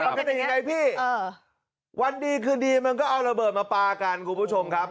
ยังไงพี่วันดีคืนดีมันก็เอาระเบิดมาปลากันคุณผู้ชมครับ